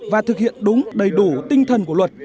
và thực hiện đúng đầy đủ tinh thần của luật